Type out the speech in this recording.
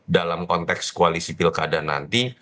dalam konteks koalisi pilkada nanti